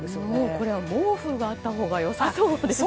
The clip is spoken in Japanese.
これは毛布があったほうが良さそうですね。